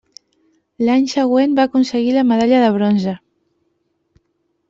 L'any següent va aconseguir la medalla de bronze.